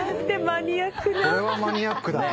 これはマニアックだね。